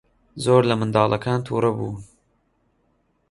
زۆر لە منداڵەکان تووڕە بوو.